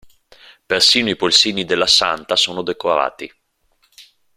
Persino i polsini della Santa sono decorati.